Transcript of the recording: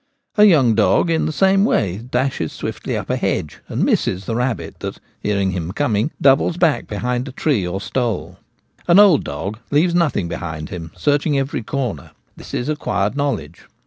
A young dog in the same way dashes swiftly up a hedge, and misses the rabbit that, hearing him coming, doubles back behind a .tree or stole ; an old dog leaves nothing behind him, searching every corner. This is acquired knowledge.